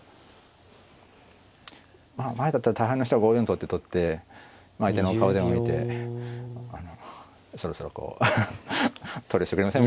前だったら大半の人が５四とって取って相手の顔でも見てそろそろこう取らしてくれません？